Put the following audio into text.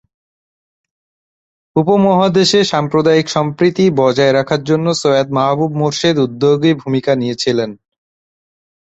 উপমহাদেশে সাম্প্রদায়িক সম্প্রীতি বজায় রাখার জন্য সৈয়দ মাহবুব মোর্শেদ উদ্যোগী ভূমিকা নিয়েছিলেন।